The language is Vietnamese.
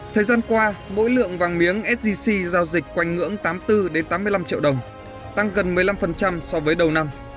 thời gian qua mỗi lượng vàng miếng sgc giao dịch quanh ngưỡng tám mươi bốn tám mươi năm triệu đồng tăng gần một mươi năm so với đầu năm